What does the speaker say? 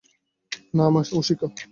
না মা, ও শিখ।